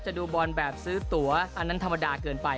ดูบอลแบบซื้อตัวอันนั้นธรรมดาเกินไป